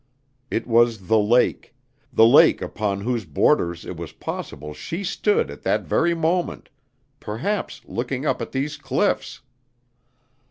It was the lake the lake upon whose borders it was possible she stood at that very moment, perhaps looking up at these cliffs.